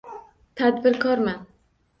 Tadbirkorman.